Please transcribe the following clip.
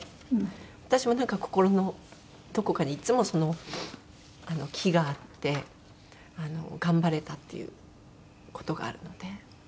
私もなんか心のどこかにいつもその気があって頑張れたっていう事があるので。